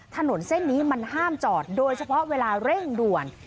ถนนเส้นนี้มันห้ามจอดโดยเฉพาะเวลาเร่งด่วน